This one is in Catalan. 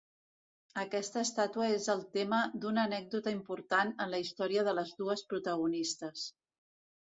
Aquesta estàtua és el tema d'una anècdota important en la història de les dues protagonistes.